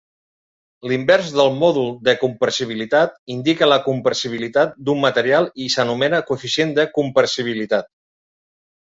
L'invers del mòdul de compressibilitat indica la compressibilitat d'un material i s'anomena coeficient de compressibilitat.